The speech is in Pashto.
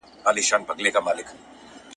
غرور انسان ړوند کوي.